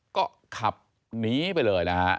ก็ขับหนีไปเลยนะฮะ